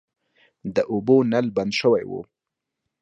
د اوبو نل بند شوی و.